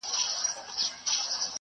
ماته لېونتوب د ښار کوڅي کوڅې اور کړي دي